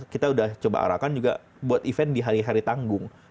kita udah coba arahkan juga buat event di hari hari tanggung